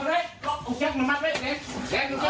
ไอ้แกเอา